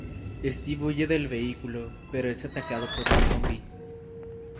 Steve huye del vehículo, pero es atacado por un zombi.